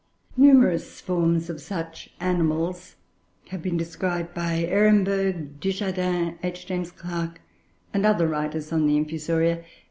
Numerous forms of such animals have been described by Ehrenberg, Dujardin, H. James Clark, and other writers on the Infusoria.